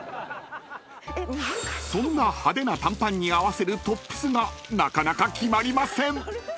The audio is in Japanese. ［そんな派手な短パンに合わせるトップスがなかなか決まりません］